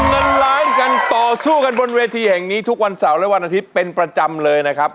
เงินล้านกันต่อสู้กันบนเวทีแห่งนี้ทุกวันเสาร์และวันอาทิตย์เป็นประจำเลยนะครับ